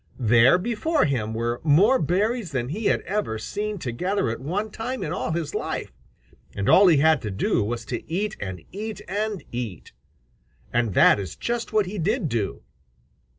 There before him were more berries than he had ever seen together at one time in all his life, and all he had to do was to eat and eat and eat. And that is just what he did do.